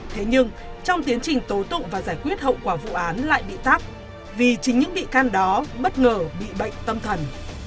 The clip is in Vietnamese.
thế nhưng trong tiến trình tố tụng và giải quyết hậu quả vụ án lại bị tác vì chính những bị can đó bất ngờ bị bệnh tâm thần